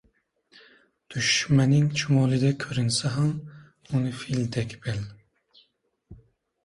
• Dushmaning chumolidek ko‘rinsa ham uni fildek bil.